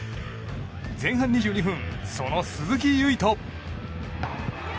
前半２２分、その鈴木唯人。